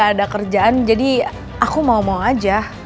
gak ada kerjaan jadi aku mau mau aja